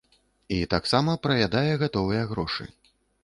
І таксама праядае гатовыя грошы.